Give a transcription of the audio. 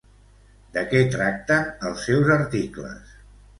De què tracten els seus articles?